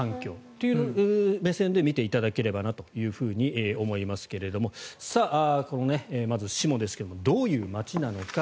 そういう目線で見ていただければなと思いますけれどもまず志茂ですがどういう街なのか。